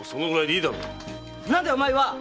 何だお前は？